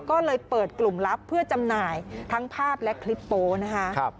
ก็เลยเปิดกลุ่มลับเพื่อจำหน่ายทั้งภาพและคลิปโป๊นะคะ